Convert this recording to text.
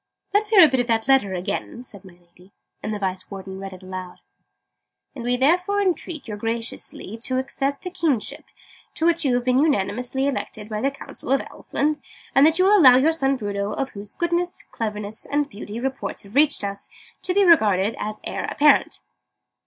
"Let's hear that bit of the letter again," said my Lady. And the Vice Warden read aloud: " and we therefore entreat you graciously to accept the Kingship, to which you have been unanimously elected by the Council of Elfland: and that you will allow your son Bruno of whose goodness, cleverness, and beauty, reports have reached us to be regarded as Heir Apparent."